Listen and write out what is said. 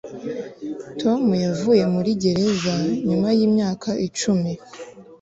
tom yavuye muri gereza nyuma yimyaka icumi